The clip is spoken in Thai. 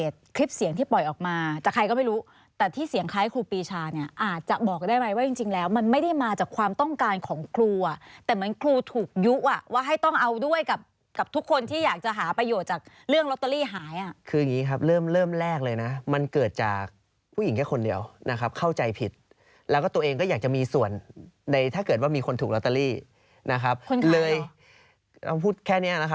ที่เสียงคล้ายครูปีชาเนี่ยอาจจะบอกได้ไหมว่าจริงแล้วมันไม่ได้มาจากความต้องการของครูอะแต่มันครูถูกยุ้วะว่าให้ต้องเอาด้วยกับทุกคนที่อยากจะหาประโยชน์จากเรื่องลอตเตอรี่หายอะคืออย่างงี้ครับเริ่มแรกเลยนะมันเกิดจากผู้หญิงแค่คนเดียวนะครับเข้าใจผิดแล้วก็ตัวเองก็อยากจะมีส่วนในถ้าเกิดว่ามีคนถูก